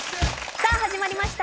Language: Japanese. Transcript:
さあ始まりました